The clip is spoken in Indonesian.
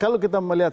kalau kita melihat